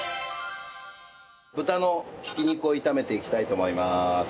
豚の挽き肉を炒めていきたいと思います。